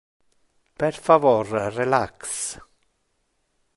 Per favor relax.